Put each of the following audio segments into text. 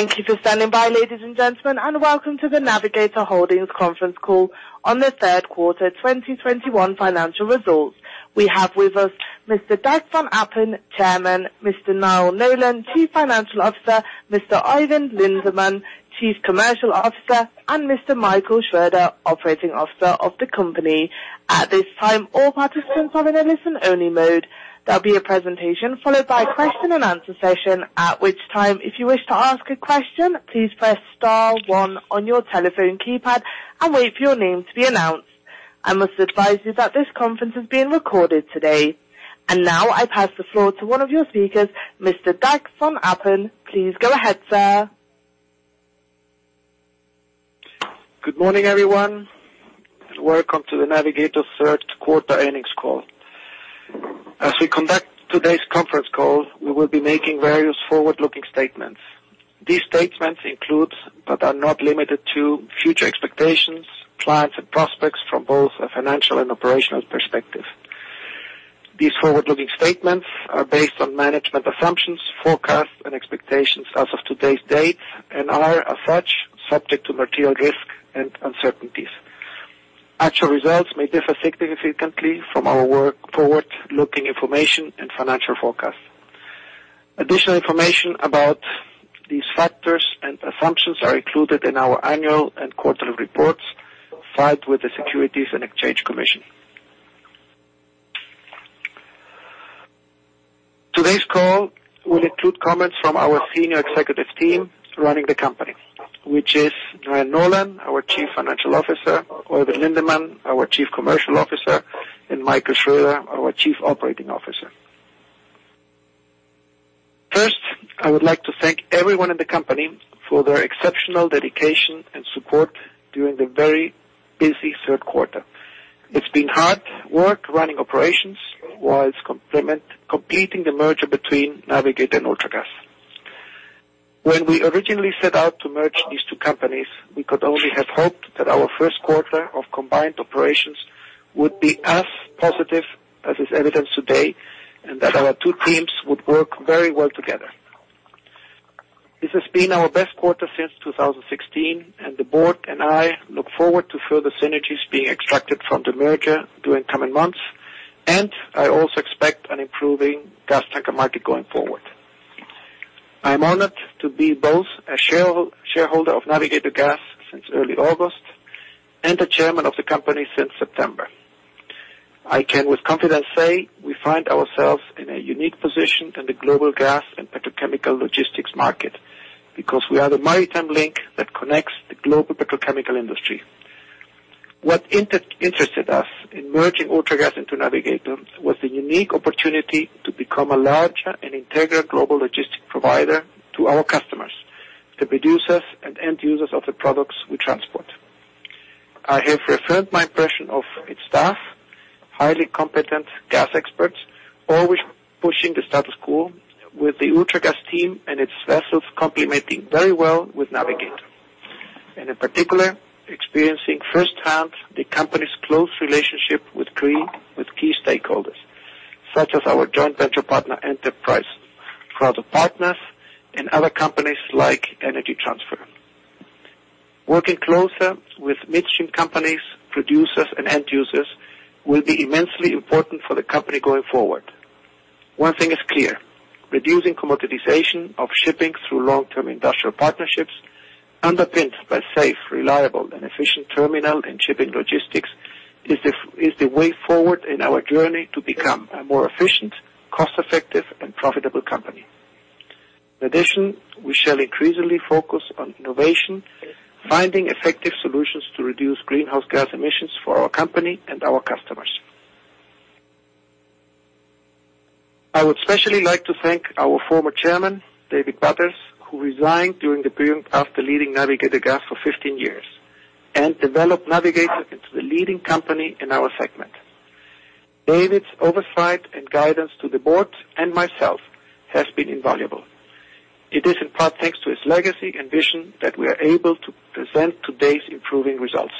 Thank you for standing by, ladies and gentlemen, and welcome to the Navigator Holdings conference call on the third quarter 2021 financial results. We have with us Mr. Dag von Appen, Chairman, Mr. Niall Nolan, Chief Financial Officer, Mr. Øyvind Lindeman, Chief Commercial Officer, and Mr. Michael Schroeder, Operating Officer of the Company. At this time, all participants are in a listen-only mode. There'll be a presentation followed by question and answer session. At which time, if you wish to ask a question, please press star one on your telephone keypad and wait for your name to be announced. I must advise you that this conference is being recorded today. Now I pass the floor to one of your speakers, Mr. Dag von Appen. Please go ahead, sir. Good morning, everyone, and welcome to the Navigator third quarter earnings call. As we conduct today's conference call, we will be making various forward-looking statements. These statements include, but are not limited to, future expectations, plans and prospects from both a financial and operational perspective. These forward-looking statements are based on management assumptions, forecasts and expectations as of today's date and are, as such, subject to material risk and uncertainties. Actual results may differ significantly from our forward-looking information and financial forecasts. Additional information about these factors and assumptions are included in our annual and quarterly reports filed with the Securities and Exchange Commission. Today's call will include comments from our senior executive team running the company, which is Niall Nolan, our Chief Financial Officer, Øyvind Lindeman, our Chief Commercial Officer, and Michael Schroeder, our Chief Operating Officer. First, I would like to thank everyone in the company for their exceptional dedication and support during the very busy third quarter. It's been hard work running operations while completing the merger between Navigator and Ultragas. When we originally set out to merge these two companies, we could only have hoped that our first quarter of combined operations would be as positive as is evidenced today, and that our two teams would work very well together. This has been our best quarter since 2016, and the board and I look forward to further synergies being extracted from the merger during coming months. I also expect an improving gas tanker market going forward. I am honored to be both a shareholder of Navigator Gas since early August and the chairman of the company since September. I can with confidence say we find ourselves in a unique position in the global gas and petrochemical logistics market because we are the maritime link that connects the global petrochemical industry. What interested us in merging Ultragas into Navigator was the unique opportunity to become a larger and integral global logistic provider to our customers, the producers and end users of the products we transport. I have the impression of its staff, highly competent gas experts, always pushing the status quo with the Ultragas team and its vessels complementing very well with Navigator, and in particular, experiencing firsthand the company's close relationship with key stakeholders such as our joint venture partner, Enterprise, cargo partners and other companies like Energy Transfer. Working closer with midstream companies, producers and end users will be immensely important for the company going forward. One thing is clear, reducing commoditization of shipping through long-term industrial partnerships underpinned by safe, reliable and efficient terminal and shipping logistics is the way forward in our journey to become a more efficient, cost-effective and profitable company. In addition, we shall increasingly focus on innovation, finding effective solutions to reduce greenhouse gas emissions for our company and our customers. I would especially like to thank our former chairman, David Butters, who resigned during the period after leading Navigator Gas for 15 years and developed Navigator into the leading company in our segment. David's oversight and guidance to the board and myself has been invaluable. It is in part thanks to his legacy and vision that we are able to present today's improving results.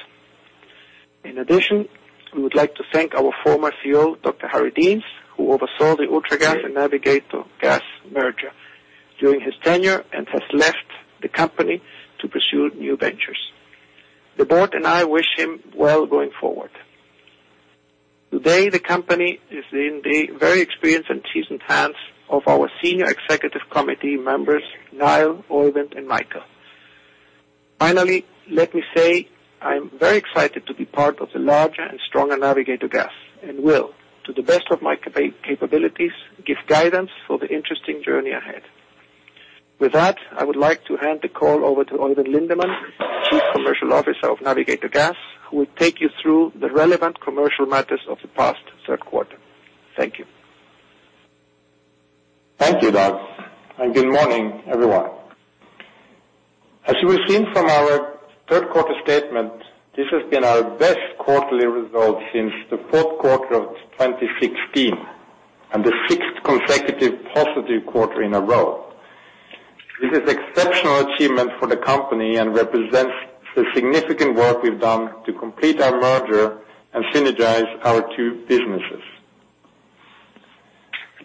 In addition, we would like to thank our former CEO, Dr. Harry Deans, who oversaw the Ultragas and Navigator Gas merger during his tenure and has left the company to pursue new ventures. The board and I wish him well going forward. Today, the company is in the very experienced and seasoned hands of our senior executive committee members, Niall, Øyvind and Michael. Finally, let me say I am very excited to be part of the larger and stronger Navigator Gas and will, to the best of my capabilities, give guidance for the interesting journey ahead. With that, I would like to hand the call over to Øyvind Lindeman, Chief Commercial Officer of Navigator Gas, who will take you through the relevant commercial matters of the past third quarter. Thank you. Thank you, Dag, and good morning, everyone. As you have seen from our third quarter statement, this has been our best quarterly result since the fourth quarter of 2016 and the sixth consecutive positive quarter in a row. This is exceptional achievement for the company and represents the significant work we've done to complete our merger and synergize our two businesses.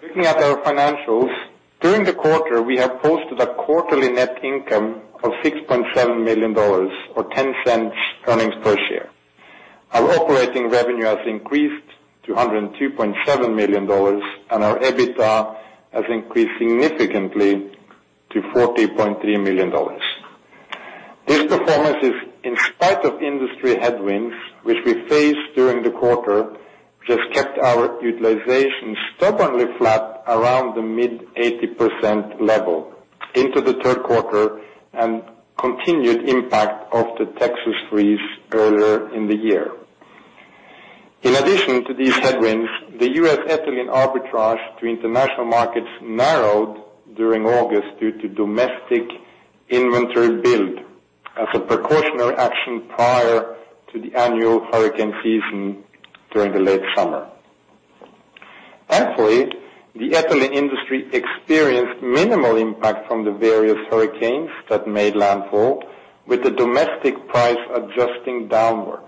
Looking at our financials, during the quarter, we have posted a quarterly net income of $6.7 million or $0.10 earnings per share. Our operating revenue has increased to $102.7 million, and our EBITDA has increased significantly to $43 million. This performance is in spite of industry headwinds, which we faced during the quarter, which has kept our utilization stubbornly flat around the mid 80% level into the third quarter and continued impact of the Texas freeze earlier in the year. In addition to these headwinds, the U.S. ethylene arbitrage to international markets narrowed during August due to domestic inventory build as a precautionary action prior to the annual hurricane season during the late summer. Thankfully, the ethylene industry experienced minimal impact from the various hurricanes that made landfall, with the domestic price adjusting downward.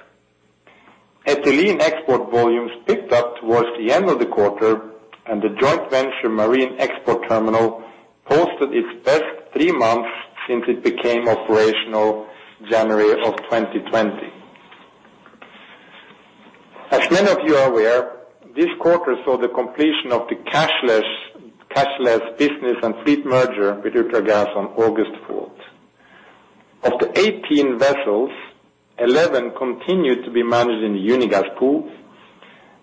Ethylene export volumes picked up towards the end of the quarter, and the joint venture marine export terminal posted its best three months since it became operational in January 2020. As many of you are aware, this quarter saw the completion of the cashless business and fleet merger with Ultragas on August fourth. Of the 18 vessels, 11 continued to be managed in the Unigas pool,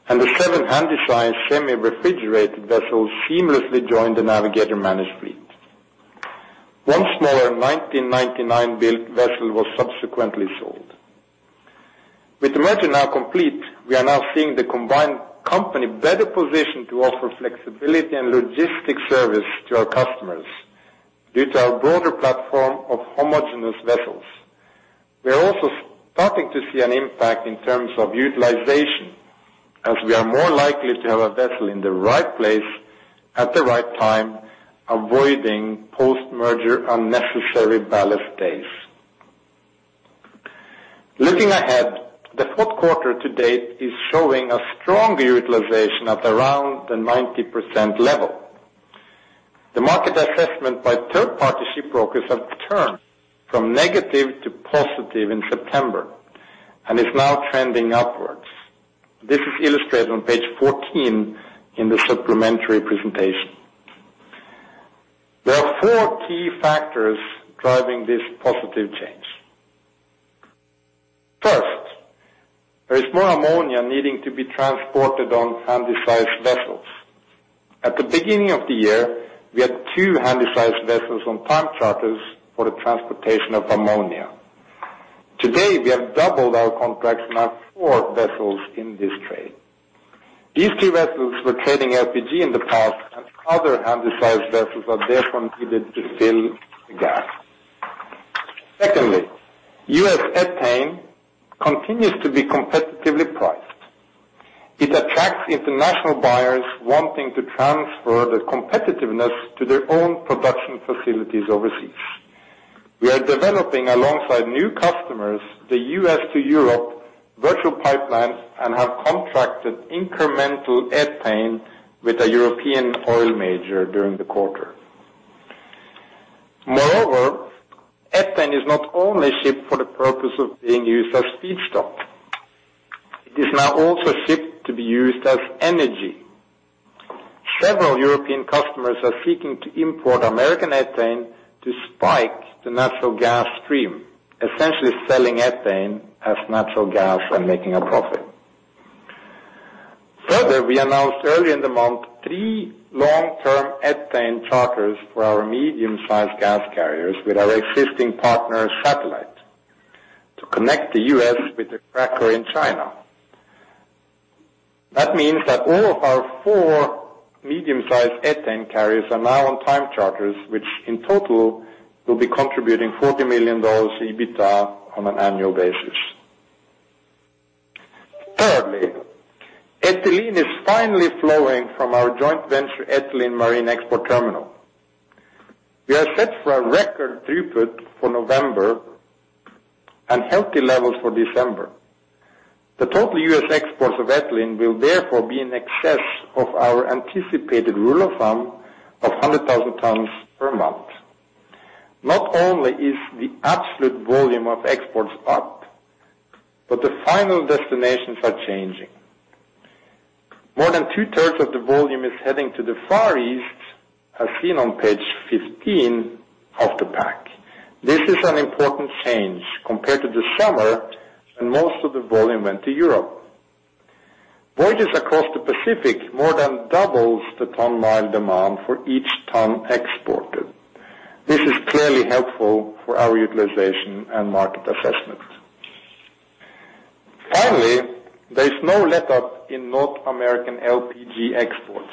and the seven handysize semi-refrigerated vessels seamlessly joined the Navigator-managed fleet. One smaller 1999 built vessel was subsequently sold. With the merger now complete, we are now seeing the combined company better positioned to offer flexibility and logistics service to our customers due to our broader platform of homogeneous vessels. We are also starting to see an impact in terms of utilization, as we are more likely to have a vessel in the right place at the right time, avoiding post-merger unnecessary ballast days. Looking ahead, the fourth quarter to date is showing a stronger utilization at around the 90% level. The market assessment by third-party shipbrokers has turned from negative to positive in September and is now trending upwards. This is illustrated on page 14 in the supplementary presentation. There are four key factors driving this positive change. First, there is more ammonia needing to be transported on handy-sized vessels. At the beginning of the year, we had two handy-sized vessels on time charters for the transportation of ammonia. Today, we have doubled our contracts and have four vessels in this trade. These two vessels were trading LPG in the past, and other handy-sized vessels are therefore needed to fill the gap. Secondly, U.S. ethane continues to be competitively priced. It attracts international buyers wanting to transfer the competitiveness to their own production facilities overseas. We are developing, alongside new customers, the U.S. to Europe virtual pipelines and have contracted incremental ethane with a European oil major during the quarter. Moreover, ethane is not only shipped for the purpose of being used as feedstock. It is now also shipped to be used as energy. Several European customers are seeking to import American ethane to spike the natural gas stream, essentially selling ethane as natural gas and making a profit. Further, we announced early in the month three long-term ethane charters for our medium-sized gas carriers with our existing partner Satellite to connect the U.S. with the cracker in China. That means that all of our four medium-sized ethane carriers are now on time charters, which in total will be contributing $40 million EBITDA on an annual basis. Thirdly, ethylene is finally flowing from our joint venture ethylene marine export terminal. We are set for a record throughput for November and healthy levels for December. The total U.S. exports of ethylene will therefore be in excess of our anticipated rule of thumb of 100,000 tons per month. Not only is the absolute volume of exports up, but the final destinations are changing. More than two-thirds of the volume is heading to the Far East, as seen on page 15 of the pack. This is an important change compared to the summer when most of the volume went to Europe. Voyages across the Pacific more than doubles the ton-mile demand for each ton exported. This is clearly helpful for our utilization and market assessment. Finally, there is no letup in North American LPG exports.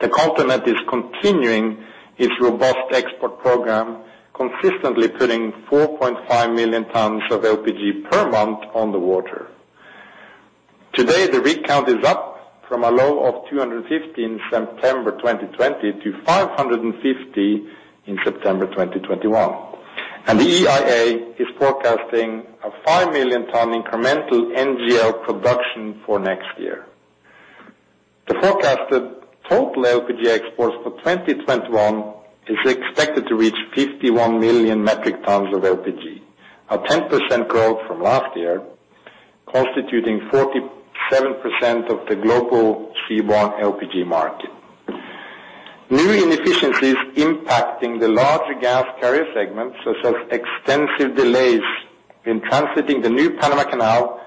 The continent is continuing its robust export program, consistently putting 4.5 million tons of LPG per month on the water. Today, the rig count is up from a low of 250 in September 2020 to 550 in September 2021. The EIA is forecasting a five million ton incremental NGL production for next year. The forecasted total LPG exports for 2021 is expected to reach 51 million metric tons of LPG. A 10% growth from last year, constituting 47% of the global seaborne LPG market. New inefficiencies impacting the larger gas carrier segment, such as extensive delays in transiting the new Panama Canal,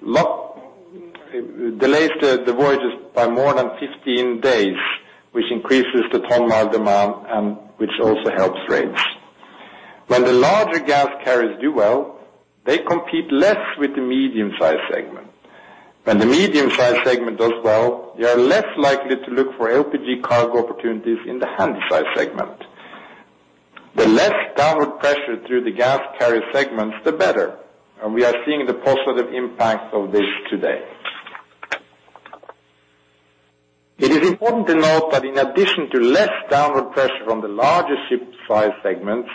delays the voyages by more than 15 days, which increases the ton-mile demand and which also helps rates. When the larger gas carriers do well, they compete less with the medium-sized segment. When the medium-sized segment does well, they are less likely to look for LPG cargo opportunities in the handysize segment. The less downward pressure through the gas carrier segments, the better, and we are seeing the positive impact of this today. It is important to note that in addition to less downward pressure on the larger ship size segments,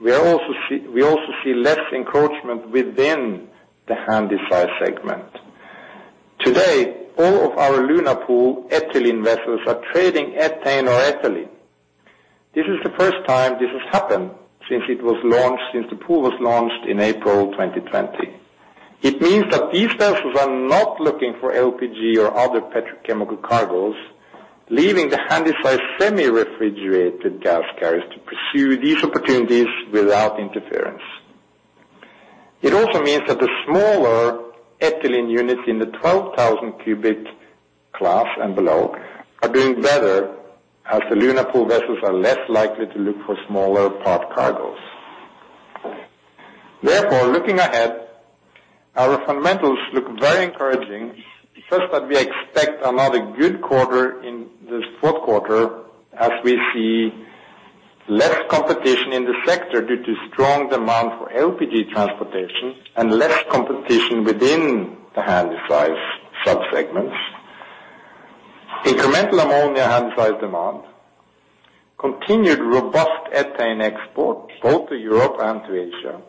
we also see less encroachment within the handysize segment. Today, all of our Luna Pool ethylene vessels are trading ethane or ethylene. This is the first time this has happened since it was launched, since the pool was launched in April 2020. It means that these vessels are not looking for LPG or other petrochemical cargoes, leaving the handysize semi-refrigerated gas carriers to pursue these opportunities without interference. It also means that the smaller ethylene units in the 12,000 cubic class and below are doing better as the Luna Pool vessels are less likely to look for smaller part cargoes. Therefore, looking ahead, our fundamentals look very encouraging. First, that we expect another good quarter in this fourth quarter, as we see less competition in the sector due to strong demand for LPG transportation and less competition within the handysize subsegments, incremental ammonia handysize demand, continued robust ethane exports both to Europe and to Asia.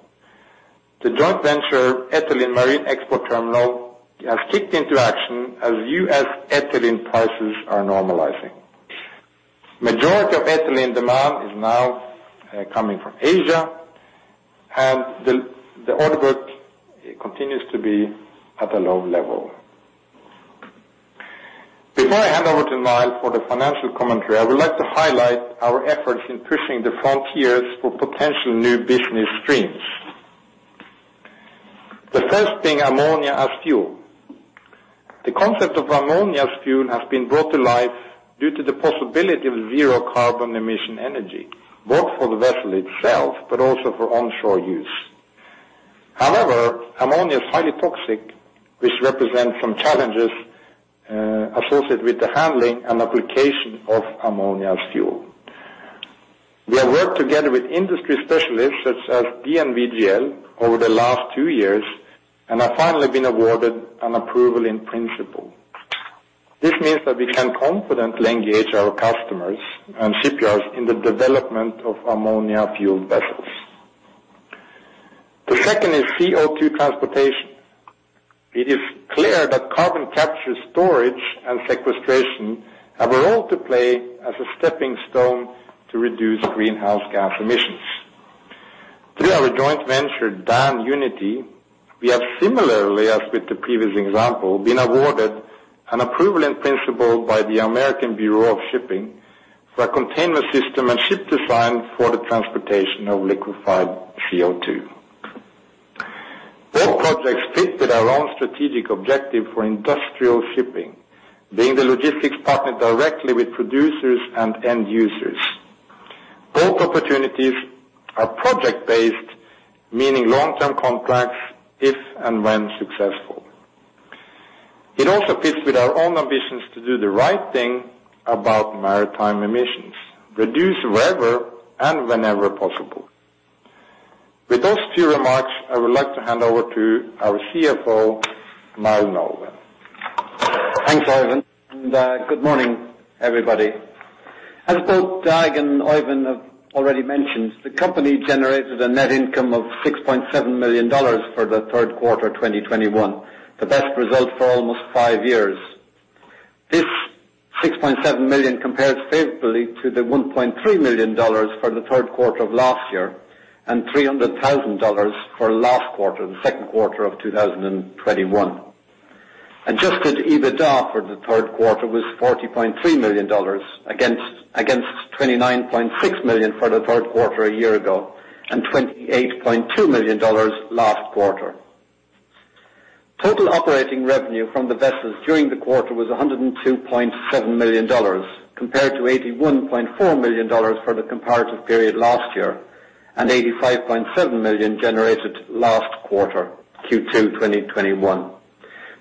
The joint venture ethylene marine export terminal has kicked into action as U.S. ethylene prices are normalizing. Majority of ethylene demand is now coming from Asia, and the order book continues to be at a low level. Before I hand over to Niall for the financial commentary, I would like to highlight our efforts in pushing the frontiers for potential new business streams. The first being ammonia as fuel. The concept of ammonia as fuel has been brought to life due to the possibility of zero carbon emission energy, both for the vessel itself, but also for onshore use. However, ammonia is highly toxic, which represent some challenges associated with the handling and application of ammonia as fuel. We have worked together with industry specialists, such as DNV GL, over the last two years, and have finally been awarded an Approval in Principle. This means that we can confidently engage our customers and shipyards in the development of ammonia fueled vessels. The second is CO2 transportation. It is clear that carbon capture, storage and sequestration have a role to play as a stepping stone to reduce greenhouse gas emissions. Through our joint venture, Dan-Unity, we have similarly, as with the previous example, been awarded an Approval in Principle by the American Bureau of Shipping for a container system and ship design for the transportation of liquefied CO2. Both projects fit with our own strategic objective for industrial shipping, being the logistics partner directly with producers and end users. Both opportunities are project-based, meaning long-term contracts if and when successful. It also fits with our own ambitions to do the right thing about maritime emissions, reduce wherever and whenever possible. With those two remarks, I would like to hand over to our CFO, Niall Nolan. Thanks, Øyvind, and good morning, everybody. As both Dag and Øyvind have already mentioned, the company generated a net income of $6.7 million for the third quarter, 2021. The best result for almost five years. This $6.7 million compares favorably to the $1.3 million for the third quarter of last year, and $300,000 for last quarter, the second quarter of 2021. Adjusted EBITDA for the third quarter was $40.3 million against $29.6 million for the third quarter a year ago, and $28.2 million last quarter. Total operating revenue from the vessels during the quarter was $102.7 million, compared to $81.4 million for the comparative period last year, and $85.7 million generated last quarter, Q2 2021.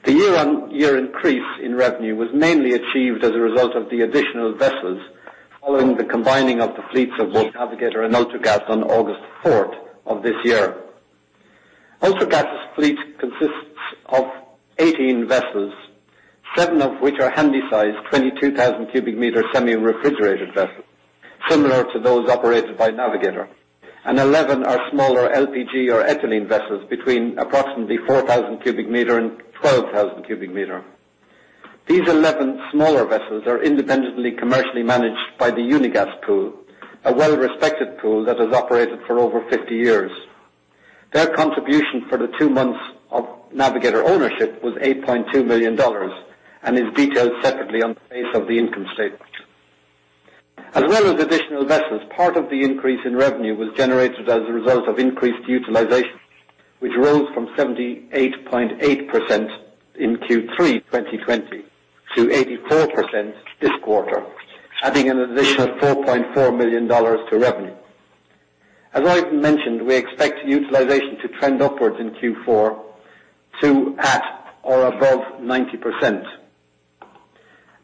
The year-on-year increase in revenue was mainly achieved as a result of the additional vessels following the combining of the fleets of both Navigator and Ultragas on August fourth of this year. Ultragas fleet consists of 18 vessels, seven of which are handysize, 22,000 cubic meter semi-refrigerated vessels, similar to those operated by Navigator, and 11 are smaller LPG or ethylene vessels between approximately 4,000 cubic meter and 12,000 cubic meter. These 11 smaller vessels are independently commercially managed by the Unigas pool, a well-respected pool that has operated for over 50 years. Their contribution for the two months of Navigator ownership was $8.2 million and is detailed separately on the face of the income statement. As well as additional vessels, part of the increase in revenue was generated as a result of increased utilization, which rose from 78.8% in Q3 2020 to 84% this quarter, adding an additional $4.4 million to revenue. As I mentioned, we expect utilization to trend upwards in Q4 to at or above 90%.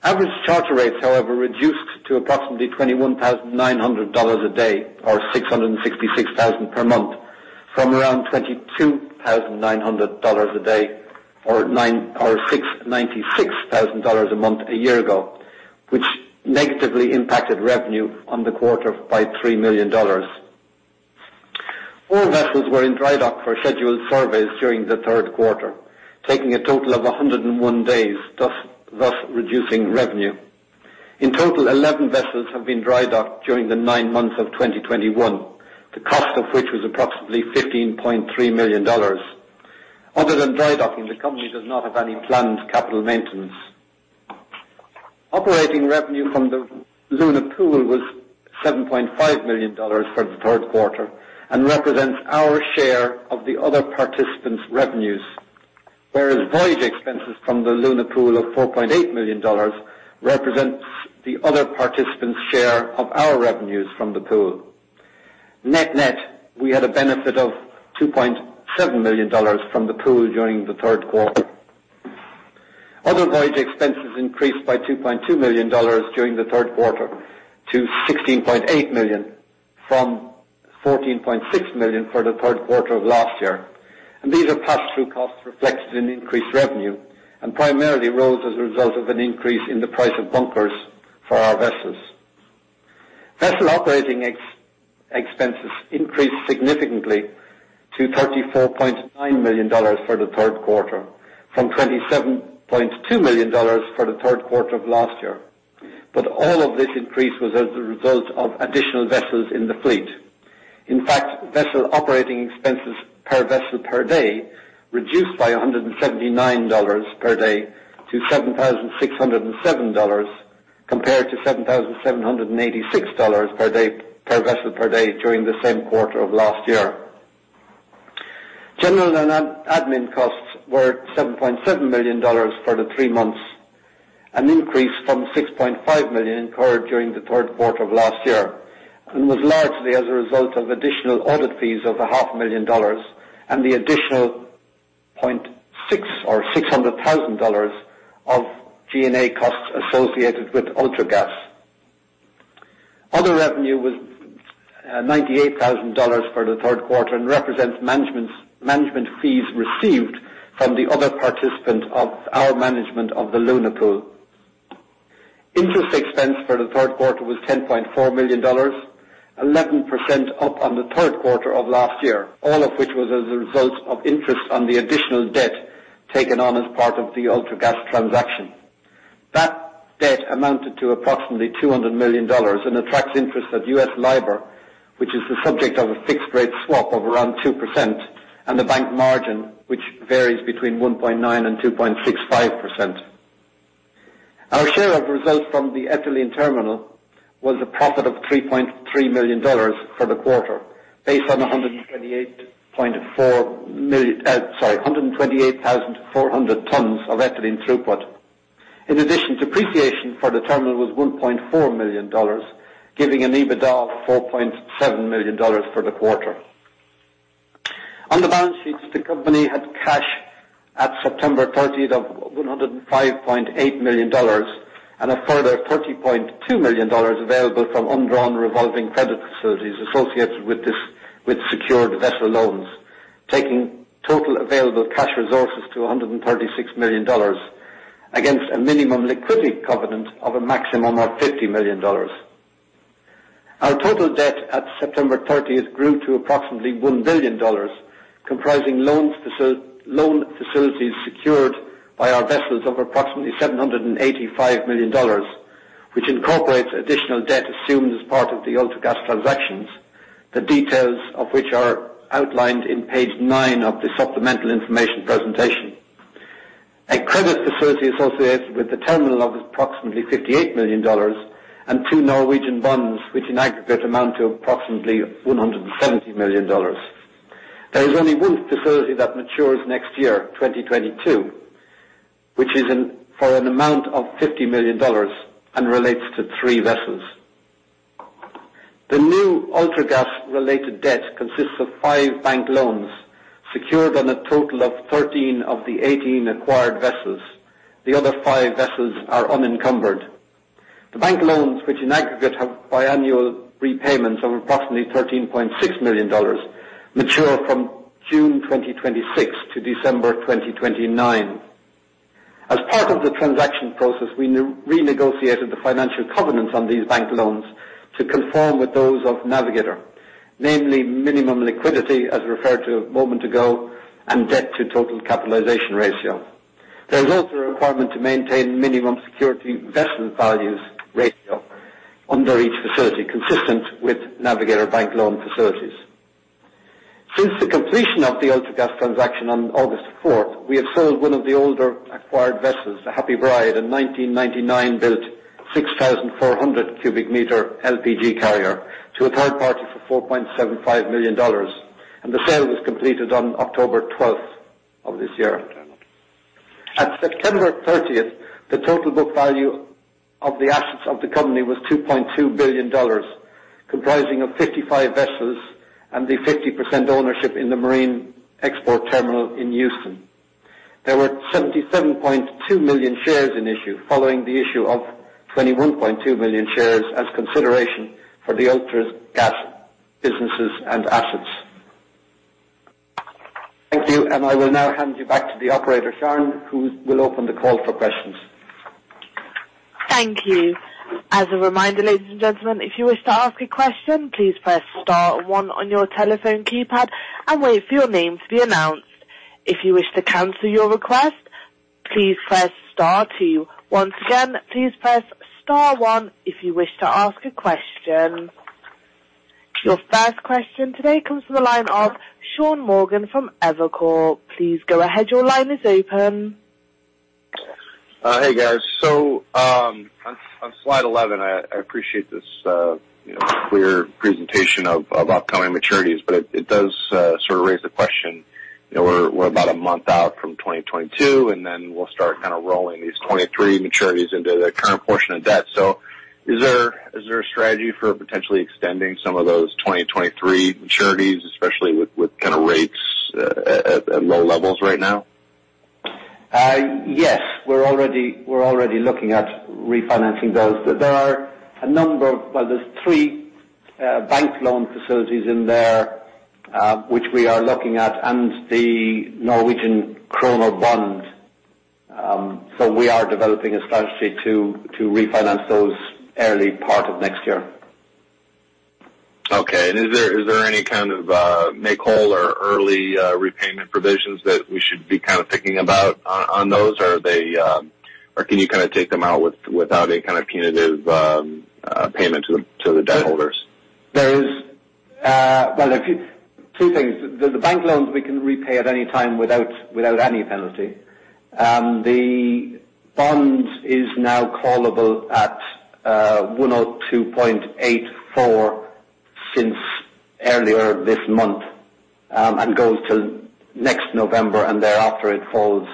Average charter rates, however, reduced to approximately $21,900 a day, or $666,000 per month from around $22,900 a day or $696,000 a month a year ago, which negatively impacted revenue on the quarter by $3 million. All vessels were in dry dock for scheduled surveys during the third quarter, taking a total of 101 days, thus reducing revenue. In total, 11 vessels have been dry docked during the nine months of 2021, the cost of which was approximately $15.3 million. Other than dry docking, the company does not have any planned capital maintenance. Operating revenue from the Luna Pool was $7.5 million for the third quarter and represents our share of the other participants' revenues. Whereas voyage expenses from the Luna Pool of $4.8 million represents the other participants' share of our revenues from the pool. Net-net, we had a benefit of $2.7 million from the pool during the third quarter. Other voyage expenses increased by $2.2 million during the third quarter to $16.8 million from $14.6 million for the third quarter of last year. These are pass-through costs reflected in increased revenue and primarily rose as a result of an increase in the price of bunkers for our vessels. Vessel operating expenses increased significantly to $34.9 million for the third quarter from $27.2 million for the third quarter of last year. All of this increase was as a result of additional vessels in the fleet. In fact, vessel operating expenses per vessel per day reduced by 179 dollars per day to $7,607, compared to $7,786 per vessel per day during the same quarter of last year. General and administrative costs were $7.7 million for the three months, an increase from $6.5 million incurred during the third quarter of last year, and was largely as a result of additional audit fees of a half million dollars and the additional 0.6 or 600,000 dollars of G&A costs associated with Ultragas. Other revenue was $98,000 for the third quarter and represents management fees received from the other participant of our management of the Luna Pool. Interest expense for the third quarter was $10.4 million, 11% up on the third quarter of last year, all of which was as a result of interest on the additional debt taken on as part of the Ultragas transaction. That debt amounted to approximately $200 million and attracts interest at USD LIBOR, which is the subject of a fixed rate swap of around 2%, and the bank margin, which varies between 1.9% and 2.65%. Our share of results from the ethylene terminal was a profit of $3.3 million for the quarter, based on 128,400 tons of ethylene throughput. In addition, depreciation for the terminal was $1.4 million, giving an EBITDA of $4.7 million for the quarter. On the balance sheets, the company had cash at September 30 of $105.8 million and a further $30.2 million available from undrawn revolving credit facilities associated with secured vessel loans, taking total available cash resources to $136 million against a minimum liquidity covenant of a maximum of $50 million. Our total debt at September 30 grew to approximately $1 billion, comprising loan facilities secured by our vessels of approximately $785 million, which incorporates additional debt assumed as part of the Ultragas transactions, the details of which are outlined in page nine of the supplemental information presentation, a credit facility associated with the terminal of approximately $58 million and two Norwegian bonds, which in aggregate amount to approximately $170 million. There is only one facility that matures next year, 2022, which is for an amount of $50 million and relates to three vessels. The new Ultragas related debt consists of five bank loans secured on a total of 13 of the 18 acquired vessels. The other five vessels are unencumbered. The bank loans, which in aggregate have biannual repayments of approximately $13.6 million, mature from June 2026-December 2029. As part of the transaction process, we renegotiated the financial covenants on these bank loans to conform with those of Navigator, namely minimum liquidity, as referred to a moment ago, and debt to total capitalization ratio. There is also a requirement to maintain minimum security vessel values ratio under each facility, consistent with Navigator bank loan facilities. Since the completion of the Ultragas transaction on August 4, we have sold one of the older acquired vessels, the Happy Bride, a 1999-built 6,400 cubic meter LPG carrier, to a third party for $4.75 million, and the sale was completed on October 12 of this year. At September 30, the total book value of the assets of the company was $2.2 billion, comprising of 55 vessels and the 50% ownership in the Marine Export Terminal in Houston. There were 77.2 million shares in issue, following the issue of 21.2 million shares as consideration for the Ultragas businesses and assets. Thank you, and I will now hand you back to the operator, Sharon, who will open the call for questions. Thank you. As a reminder, ladies and gentlemen, if you wish to ask a question, please press star one on your telephone keypad and wait for your name to be announced. If you wish to cancel your request, please press star two. Once again, please press star one if you wish to ask a question. Your first question today comes from the line of Sean Morgan from Evercore. Please go ahead. Your line is open. Hey, guys. On slide 11, I appreciate this, you know, clear presentation of upcoming maturities, but it does sort of raise the question, you know, we're about a month out from 2022, and then we'll start kind of rolling these 2023 maturities into the current portion of debt. Is there a strategy for potentially extending some of those 2023 maturities, especially with kind of rates at low levels right now? Yes. We're already looking at refinancing those. There are a number of well, there's three bank loan facilities in there, which we are looking at, and the Norwegian kroner bond. We are developing a strategy to refinance those early part of next year. Okay. Is there any kind of make whole or early repayment provisions that we should be kind of thinking about on those? Or can you kind of take them out without any kind of punitive payment to the debtholders? There is two things. The bank loans we can repay at any time without any penalty. The bond is now callable at 102.84% since earlier this month, and goes to next November, and thereafter it falls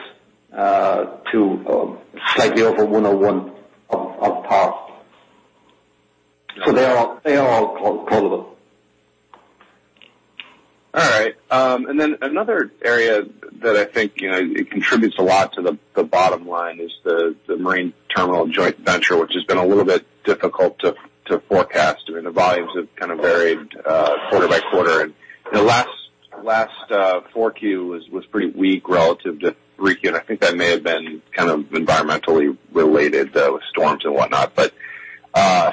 to slightly over 101% of par. So they are all callable. All right. Then another area that I think, you know, it contributes a lot to the bottom line is the marine terminal joint venture, which has been a little bit difficult to forecast. I mean, the volumes have kind of varied quarter by quarter. The last 4Q was pretty weak relative to 3Q, and I think that may have been kind of environmentally related, though, with storms and what not.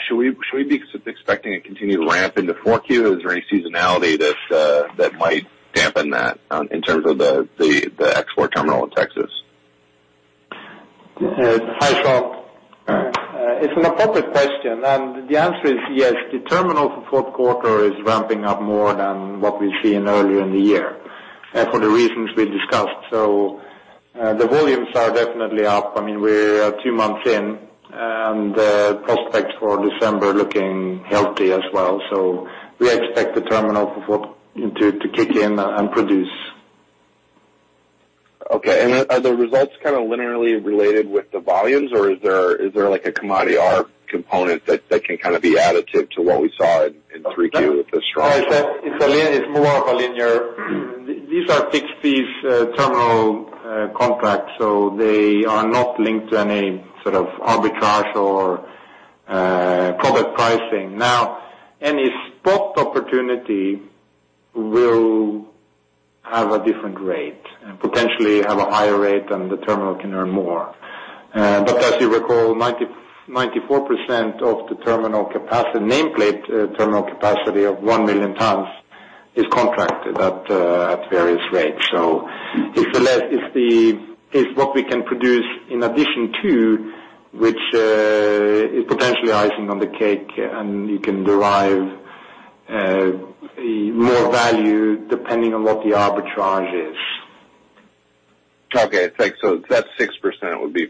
Should we be expecting a continued ramp into 4Q? Is there any seasonality that might dampen that in terms of the export terminal in Texas? Hi, Sean. It's an appropriate question, and the answer is yes. The terminal for fourth quarter is ramping up more than what we've seen earlier in the year, for the reasons we discussed. The volumes are definitely up. I mean, we're two months in, and the prospects for December are looking healthy as well. We expect the terminal to kick in and produce. Okay. Are the results kind of linearly related with the volumes, or is there like a commodity R component that can kind of be additive to what we saw in 3Q with the strong- It's more of a linear. These are fixed fees, terminal contracts, so they are not linked to any sort of arbitrage or product pricing. Now, any spot opportunity will have a different rate and potentially have a higher rate, and the terminal can earn more. As you recall, 94% of the terminal capacity, nameplate terminal capacity of one million tons is contracted at various rates. If what we can produce in addition to which is potentially icing on the cake, and you can derive more value depending on what the arbitrage is. Okay. It's like, so that 6% would be.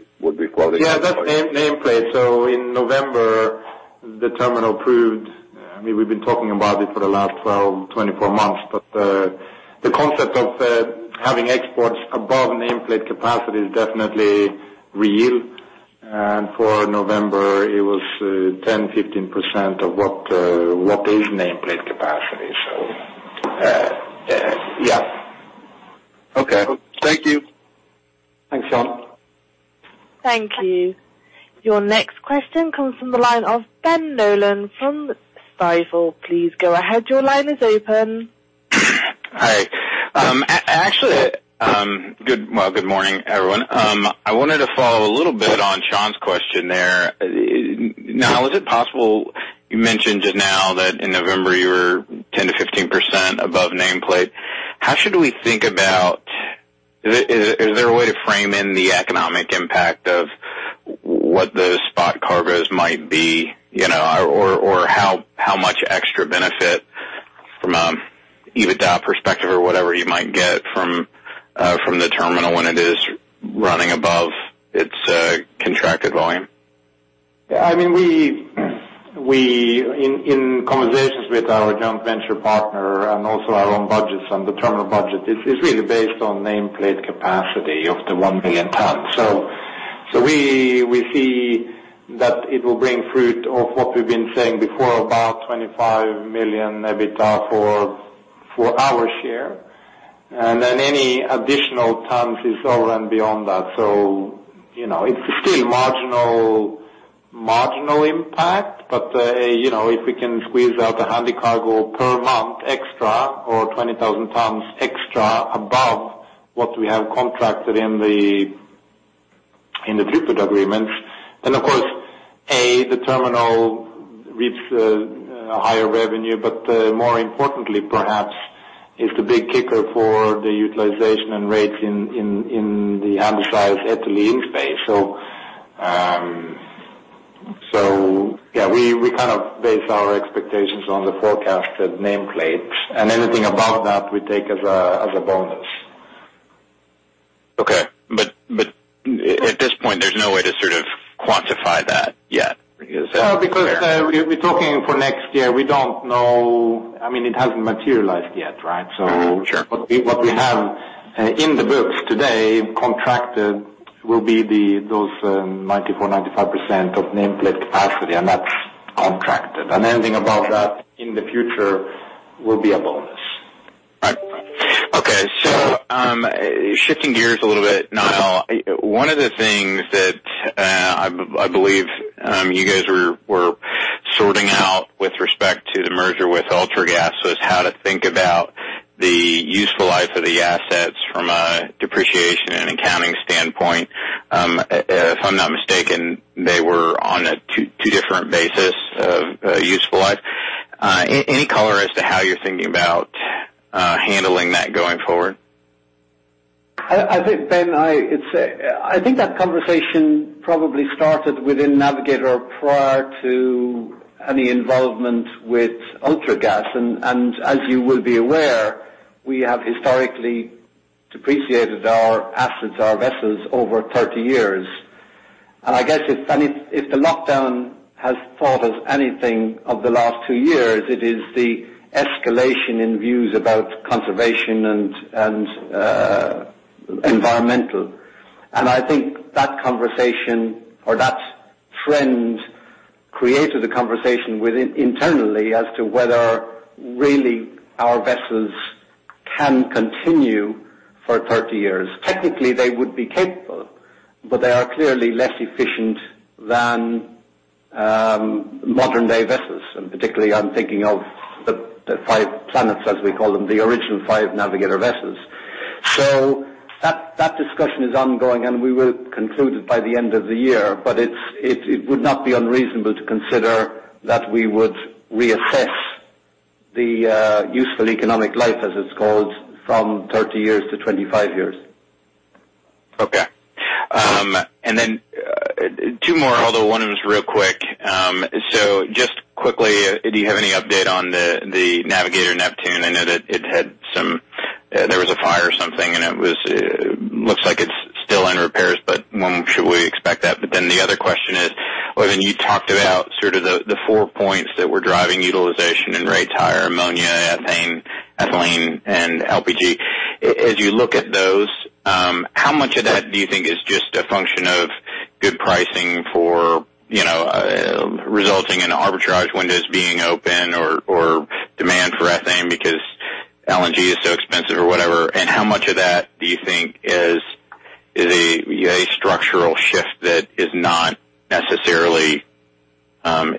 Yeah. That's nameplate. In November, the terminal proved it. I mean, we've been talking about it for the last 12-24 months, but the concept of having exports above nameplate capacity is definitely real. For November, it was 10%-15% above what is nameplate capacity. Yeah. Okay. Thank you. Thanks, Sean. Thank you. Your next question comes from the line of Ben Nolan from Stifel. Please go ahead. Your line is open. Good morning, everyone. I wanted to follow a little bit on Sean's question there. Niall, is it possible you mentioned just now that in November you were 10%-15% above nameplate. How should we think about. Is there a way to frame in the economic impact of what those spot cargoes might be, you know, or how much extra benefit from EBITDA perspective or whatever you might get from the terminal when it is running above its contracted volume? I mean, in conversations with our joint venture partner and also our own budgets and the terminal budget is really based on nameplate capacity of the one billion tons. We see that it will bear fruit of what we've been saying before, about $25 million EBITDA for our share, and then any additional tons is over and beyond that. You know, it's still marginal impact. But you know, if we can squeeze out a handy cargo per month extra or 20,000 tons extra above what we have contracted in the Driftwood agreement, then of course the terminal reaches a higher revenue, but more importantly, perhaps is the big kicker for the utilization and rates in the Americas ethylene space. Yeah, we kind of base our expectations on the forecasted nameplate, and anything above that we take as a bonus. Okay. At this point, there's no way to sort of quantify that yet. Is that fair? Well, because we're talking for next year, we don't know. I mean, it hasn't materialized yet, right? What we have in the books today contracted will be 94%-95% of nameplate capacity, and that's contracted. Anything above that in the future will be a bonus. Right. Okay. Shifting gears a little bit, Niall, one of the things that I believe you guys were sorting out with respect to the merger with Ultragas was how to think about the useful life of the assets from a depreciation and accounting standpoint. If I'm not mistaken, they were on two different basis of useful life. Any color as to how you're thinking about handling that going forward? I think, Ben, that conversation probably started within Navigator prior to any involvement with Ultragas. As you will be aware, we have historically depreciated our assets, our vessels, over 30 years. I guess if the lockdown has taught us anything of the last two years, it is the escalation in views about conservation and environmental. I think that conversation or that trend created a conversation within internally as to whether really our vessels can continue for 30 years. Technically, they would be capable, but they are clearly less efficient than modern day vessels. Particularly I'm thinking of the five planets, as we call them, the original five Navigator vessels. That discussion is ongoing, and we will conclude it by the end of the year. It would not be unreasonable to consider that we would reassess the useful economic life, as it's called, from 30 years to 25 years. Okay. Two more, although one of them is real quick. just quickly, do you have any update on the Navigator Neptune? I know that there was a fire or something, and it looks like it's still in repairs, but when should we expect that? The other question is, well, then you talked about sort of the four points that were driving utilization and rates higher, ammonia, ethane, ethylene and LPG. As you look at those, how much of that do you think is just a function of good pricing for, you know, resulting in arbitrage windows being open or demand for ethane because LNG is so expensive or whatever, and how much of that do you think is a structural shift that is not necessarily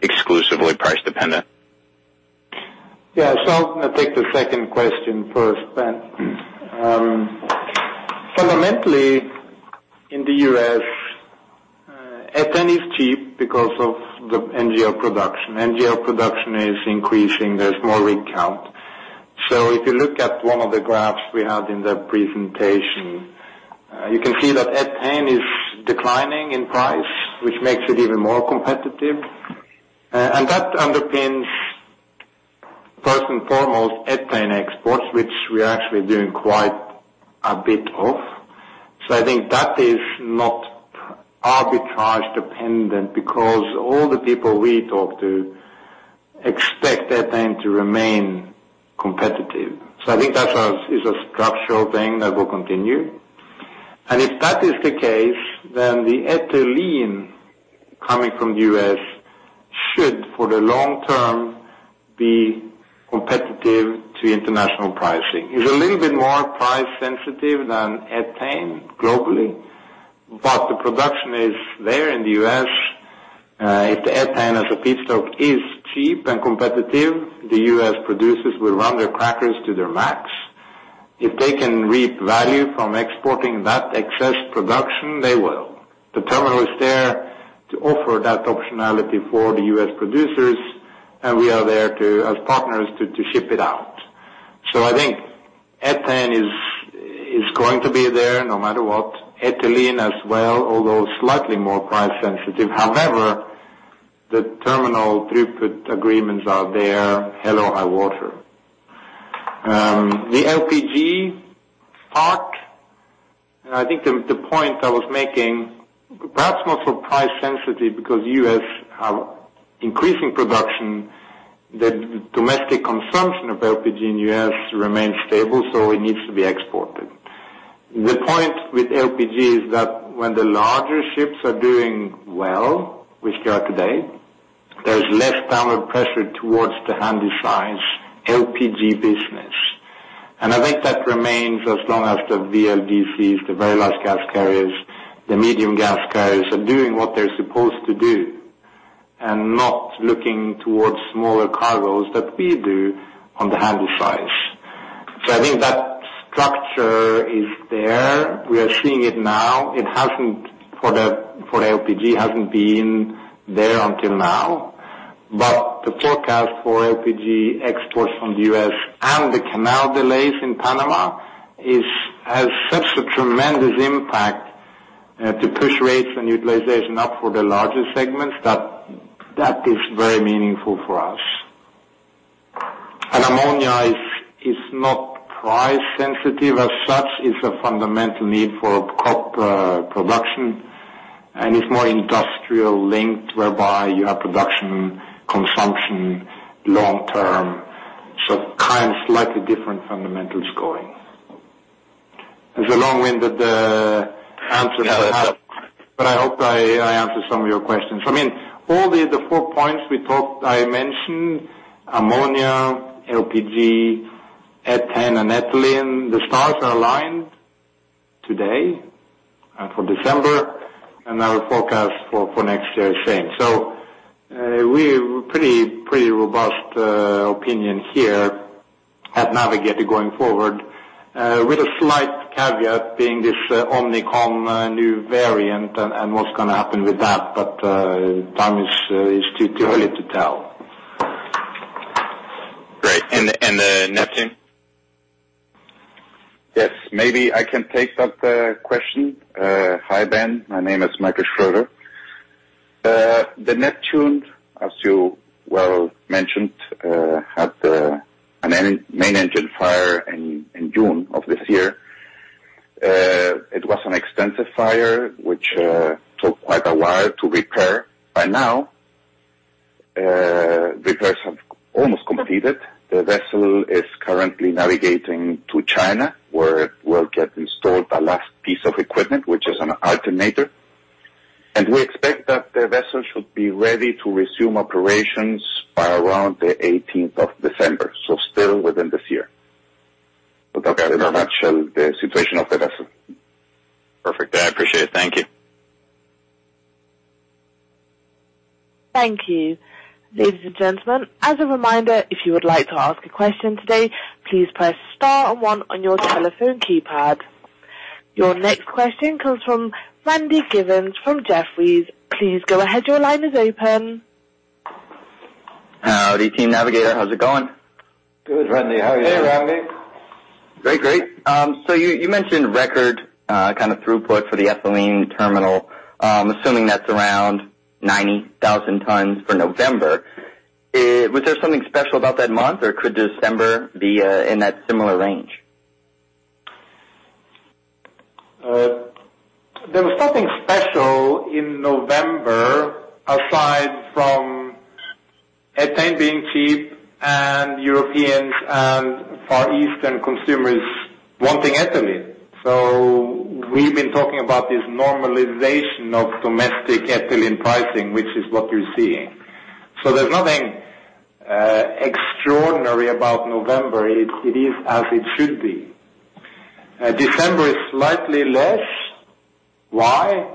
exclusively price dependent? Yeah. I'm gonna take the second question first, Ben. Fundamentally in the U.S, ethane is cheap because of the NGL production. NGL production is increasing. There's more rig count. If you look at one of the graphs we have in the presentation, you can see that ethane is declining in price, which makes it even more competitive. And that underpins first and foremost ethane exports, which we are actually doing quite a bit of. I think that is not arbitrage dependent because all the people we talk to expect ethane to remain competitive. I think that's a structural thing that will continue. If that is the case, then the ethylene coming from the U.S. should, for the long term, be competitive to international pricing. It's a little bit more price sensitive than ethane globally, but the production is there in the U.S. If the ethane as a feedstock is cheap and competitive, the U.S. producers will run their crackers to their max. If they can reap value from exporting that excess production, they will. The terminal is there to offer that optionality for the U.S. producers, and we are there as partners to ship it out. I think ethane is going to be there no matter what. Ethylene as well, although slightly more price sensitive. However, the terminal throughput agreements are there, hell or high water. The LPG part, and I think the point I was making, perhaps more so price sensitive because U.S. have increasing production, the domestic consumption of LPG in U.S. remains stable, so it needs to be exported. The point with LPG is that when the larger ships are doing well, which they are today, there's less downward pressure towards the handy size LPG business. I think that remains as long as the VLGCs, the very large gas carriers, are doing what they're supposed to do and not looking towards smaller cargos that we do on the handy size. I think that structure is there. We are seeing it now. It hasn't, for LPG, been there until now. The forecast for LPG exports from the U.S. and the canal delays in Panama has such a tremendous impact to push rates and utilization up for the larger segments that is very meaningful for us. Ammonia is not price sensitive as such. It's a fundamental need for crop production, and it's more industrial linked whereby you have production, consumption long term. Kind of slightly different fundamentals going. It's a long-winded answer that I have. I hope I answered some of your questions. I mean, all the four points we talked I mentioned, ammonia, LPG, ethane, and ethylene. The stars are aligned today for December, and our forecast for next year is same. We're pretty robust opinion here at Navigator going forward, with a slight caveat being this Omicron new variant and what's gonna happen with that. Time is too early to tell. Great. The Neptune? Yes. Maybe I can take that question. Hi, Ben. My name is Michael Schroeder. The Navigator Neptune, as you well mentioned, had a main engine fire in June of this year. It was an extensive fire which took quite a while to repair. By now, repairs have almost completed. The vessel is currently navigating to China, where it will get installed the last piece of equipment, which is an alternator. We expect that the vessel should be ready to resume operations by around the eighteenth of December. Still within this year. That's pretty much the situation of the vessel. Perfect. I appreciate it. Thank you. Thank you. Ladies and gentlemen, as a reminder, if you would like to ask a question today, please press star one on your telephone keypad. Your next question comes from Randy Giveans from Jefferies. Please go ahead. Your line is open. Howdy, team Navigator. How's it going? Good, Randy. How are you? Great. So you mentioned record kind of throughput for the ethylene terminal. Assuming that's around 90,000 tons for November, was there something special about that month, or could December be in that similar range? There was nothing special in November aside from ethane being cheap and Europeans and Far Eastern consumers wanting ethylene. We've been talking about this normalization of domestic ethylene pricing, which is what you're seeing. There's nothing extraordinary about November. It is as it should be. December is slightly less. Why?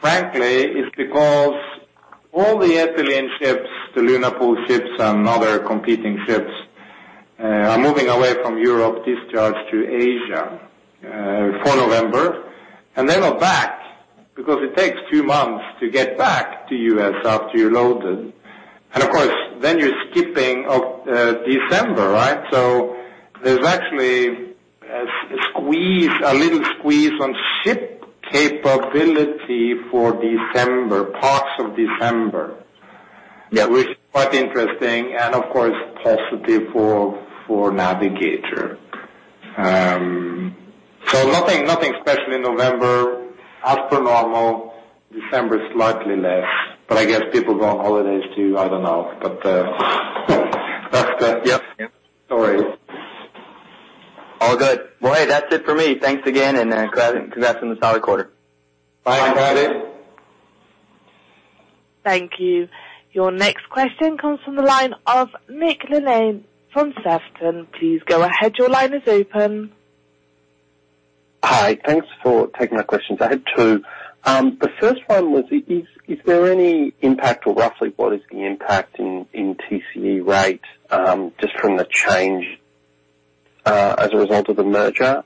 Frankly, it's because all the ethylene ships, the Luna Pool ships and other competing ships, are moving away from Europe discharge to Asia, for November. They're not back because it takes two months to get back to U.S. after you're loaded. Of course, then you're skipping December, right? There's actually a squeeze, a little squeeze on ship capability for December, parts of December.Which is quite interesting and of course positive for Navigator. Nothing special in November. As per normal, December is slightly less. I guess people go on holidays too, I don't know. All good. Well, hey, that's it for me. Thanks again, and congrats on the solid quarter. Thank you. Your next question comes from the line of Nick Linnane from Sefton. Please go ahead. Your line is open. Hi. Thanks for taking my questions. I had two. The first one was, is there any impact or roughly what is the impact in TCE rate, just from the change, as a result of the merger?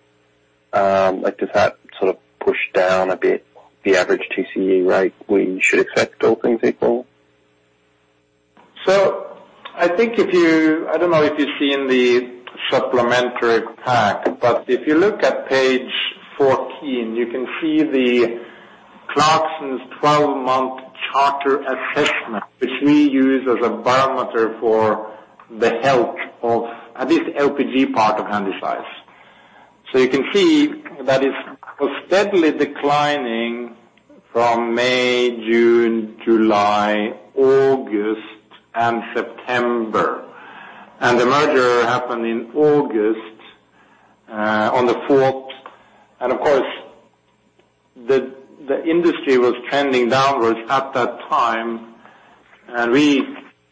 Like, does that sort of push down a bit the average TCE rate we should expect all things equal? I think if you—I don't know if you see in the supplementary pack, but if you look at page 14, you can see the Clarksons 12-month charter assessment, which we use as a barometer for the health of at least LPG part of handysize. You can see that it's steadily declining from May, June, July, August and September. The merger happened in August on the fourth. Of course, the industry was trending downwards at that time. We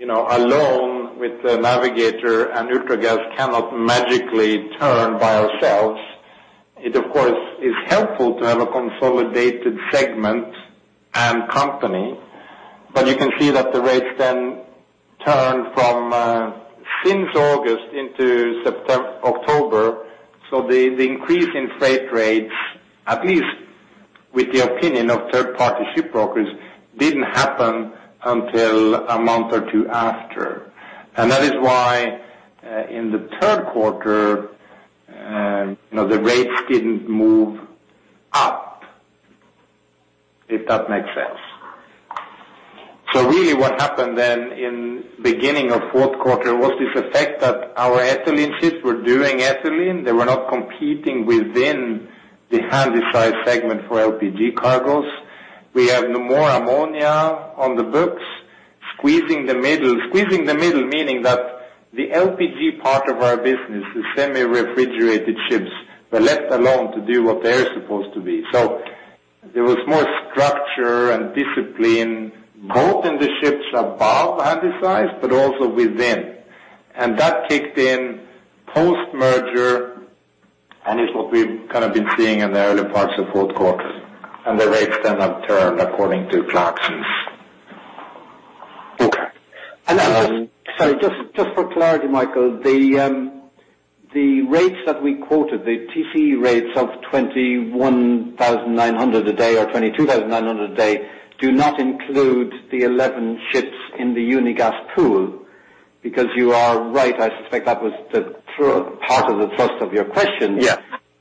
alone with the Navigator and Ultragas cannot magically turn by ourselves. It of course is helpful to have a consolidated segment and company, but you can see that the rates then turn from since August into September-October. The increase in freight rates, at least with the opinion of third-party shipbrokers, didn't happen until a month or two after. That is why, in the third quarter, you know, the rates didn't move up, if that makes sense. Really what happened then in beginning of fourth quarter was this effect that our ethylene ships were doing ethylene. They were not competing within the handysize segment for LPG cargoes. We have no more ammonia on the books, squeezing the middle. Squeezing the middle, meaning that the LPG part of our business, the semi-refrigerated ships, were left alone to do what they're supposed to be. There was more structure and discipline, both in the ships above handysize but also within. That kicked in post-merger, and it's what we've kind of been seeing in the early parts of fourth quarter. The rates then have turned according to Clarksons. Sorry, just for clarity, Michael, the rates that we quoted, the TCE rates of $21,900 a day or $22,900 a day do not include the 11 ships in the Unigas pool. Because you are right, I suspect that was the true part of the thrust of your question.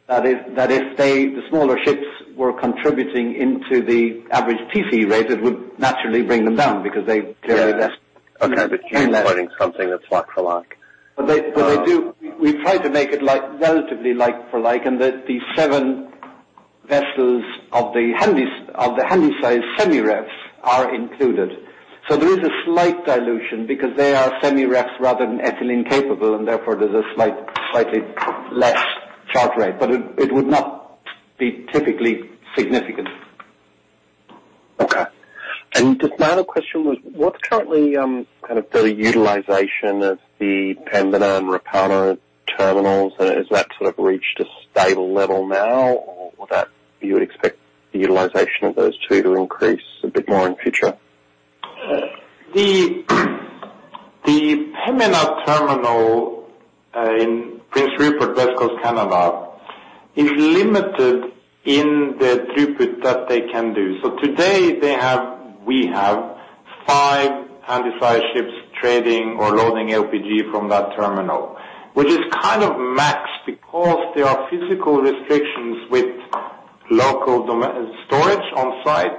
That if they, the smaller ships, were contributing to the average TCE rate, it would naturally bring them down because they clearly. You're quoting something that's like for like. They do. We try to make it like relatively like for like, and that the seven vessels of the Handysize semi-refs are included. There is a slight dilution because they are semi-refs rather than ethylene capable, and therefore there's a slightly less charter rate. It would not be typically significant. Okay. Just my other question was, what's currently, kind of the utilization of the Pembina and Repauno terminals? Has that sort of reached a stable level now? Or would that be what you would expect the utilization of those two to increase a bit more in future? The Pembina terminal in Prince Rupert, British Columbia, Canada, is limited in the throughput that they can do. Today we have five handysize ships trading or loading LPG from that terminal, which is kind of maxed because there are physical restrictions with local dome storage on site,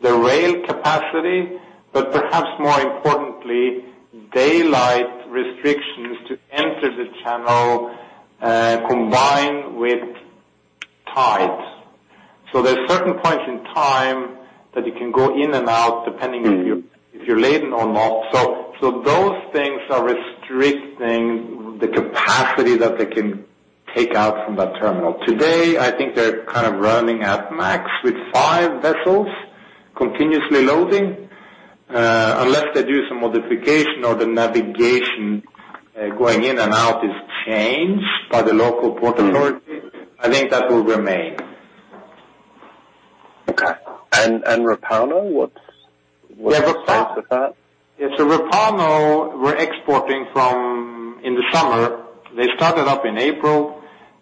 the rail capacity, but perhaps more importantly, daylight restrictions to enter the channel, combined with tides. There are certain points in time that you can go in and out, depending if you're laden or not. Those things are restricting the capacity that they can take out from that terminal. Today, I think they're kind of running at max with five vessels continuously loading. Unless they do some modification or the navigation going in and out is changed by the local port authority, I think that will remain. And Repauno, what's? Yeah. Repauno were exporting from in the summer. They started up in April,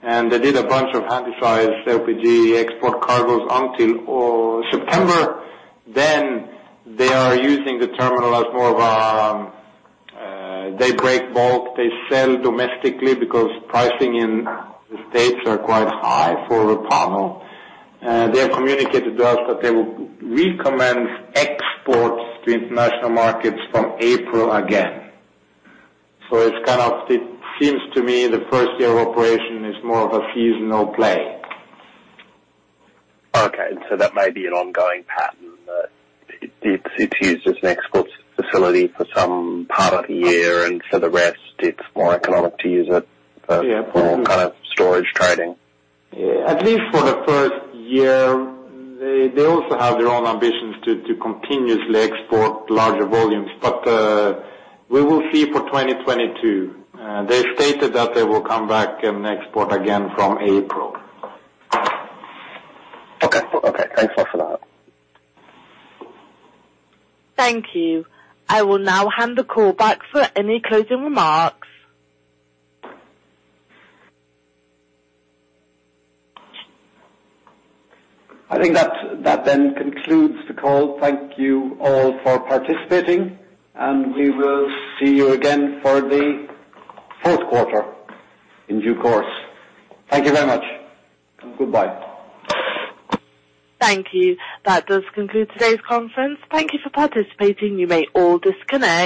and they did a bunch of handysize LPG export cargoes until September. Then they are using the terminal as more of a, they break bulk, they sell domestically because pricing in the States are quite high for Repauno. They have communicated to us that they will recommence exports to international markets from April again. It's kind of. It seems to me the first year of operation is more of a seasonal play. Okay, that may be an ongoing pattern that it's used as an export facility for some part of the year and for the rest it's more economic to use it for kind of storage trading. Yeah. At least for the first year, they also have their own ambitions to continuously export larger volumes. We will see for 2022. They stated that they will come back and export again from April. Okay. Thanks a lot for that. Thank you. I will now hand the call back for any closing remarks. I think that then concludes the call. Thank you all for participating, and we will see you again for the fourth quarter in due course. Thank you very much and goodbye. Thank you. That does conclude today's conference. Thank you for participating. You may all disconnect.